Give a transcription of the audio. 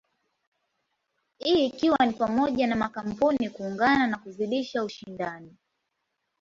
Hii ikiwa ni pamoja na makampuni kuungana na kuzidisha ushindani.